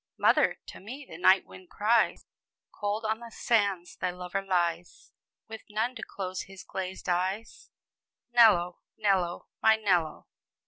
"Mother, to me the night wind cries. Cold on the sands thy lover lies, With none to close his glazed eyes; Nello, Nello, my Nello!"